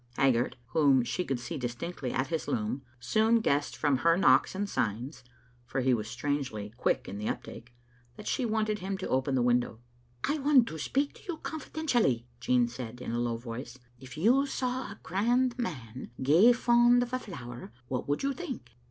Haggart, whom she could see distinctly at his loom, soon guessed Digitized by VjOOQ IC f tttnwton ot tNUWAft 106 from her knocks and signs (for he was strangely quick in the uptake) that she wanted him to open the window. '* I want to sx>eak to yon confidentially," Jean said in a low voice. " If yon saw a grand man gey fond o' a flower, what would you think?"